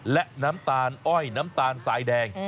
และน้ำตาลอ้อยน้ำตาลสายแดง